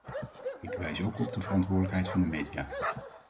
Ik wijs ook op de verantwoordelijkheid van de media.